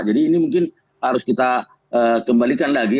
jadi ini mungkin harus kita kembalikan lagi